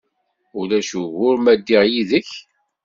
Ulac ugur ma ddiɣ yid-k?